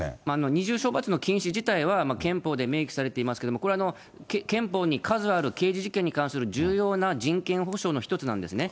二重処罰の禁止については憲法で明記されていますけれども、これは憲法に数ある刑事事件に関する重要な人権保障の１つなんですね。